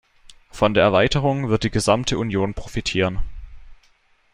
Von der Erweiterung wird die gesamte Union profitieren.